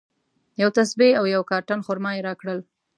یوه تسبیج او یو کارټن خرما یې راکړل.